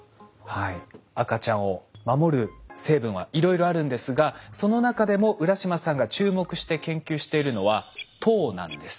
赤ちゃんを守る成分はいろいろあるんですがその中でも浦島さんが注目して研究しているのは糖なんです。